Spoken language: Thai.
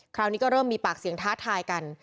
คราวนี้ก็เริ่มมีปากเสียงท้าทายกัน